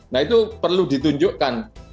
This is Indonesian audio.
nah itu perlu ditunjukkan